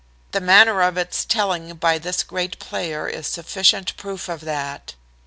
The manner of its telling by this great player is sufficient proof of that.